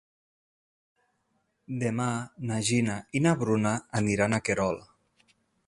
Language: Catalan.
Demà na Gina i na Bruna aniran a Querol.